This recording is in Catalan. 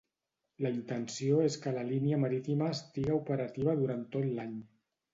La intenció és que la línia marítima estiga operativa durant tot l’any.